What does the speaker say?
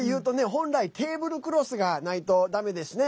本来、テーブルクロスがないとだめですね。